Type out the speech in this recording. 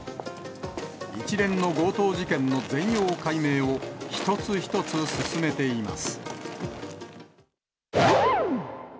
一連の強盗事件の全容解明を、一つ一つ進めています。